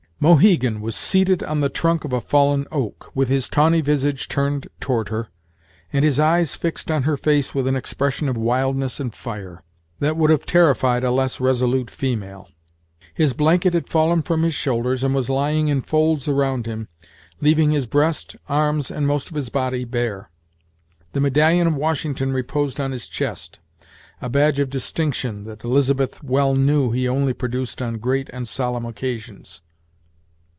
Mohegan was seated on the trunk of a fallen oak, with his tawny visage turned toward her, and his eyes fixed on her face with an expression of wildness and fire, that would have terrified a less resolute female. His blanket had fallen from his shoulders, and was lying in folds around him, leaving his breast, arms, and most of his body bare. 'The medallion of Washington reposed on his chest, a badge of distinction that Elizabeth well knew he only produced on great and solemn occasions.